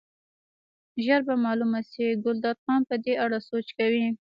ژر به معلومه شي، ګلداد خان په دې اړه سوچ کوي.